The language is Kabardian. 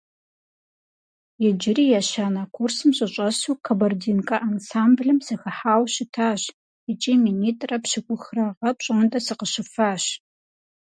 Иджыри ещанэ курсым сыщӀэсу, «Кабардинка» ансамблым сыхыхьауэ щытащ икӀи минитӀрэ пщӀыкӀухрэ гъэ пщӀондэ сыкъыщыфащ.